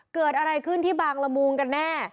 เกิดอะไรขึ้นที่บางละมุงกันแน่